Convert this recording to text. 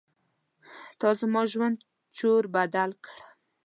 تا زما ژوند چور بدل کړ.